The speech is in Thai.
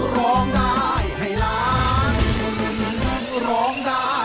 ร้องได้ให้ล้าง